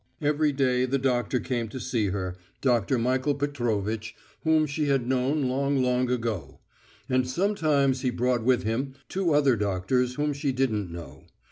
Every day the doctor came to see her, Dr. Michael Petrovitch, whom she had known long, long ago. And sometimes he brought with him two other doctors whom she didn't know.